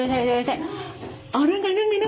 นั่นแหละกวาดมาเลย